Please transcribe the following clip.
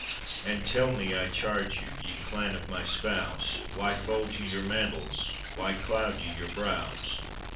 "And tell me, I charge you! ye clan of my spouse. Why fold ye your mantles, why cloud ye your brows?"